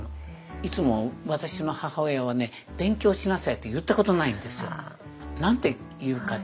いつも私の母親はね「勉強しなさい」と言ったことないんですよ。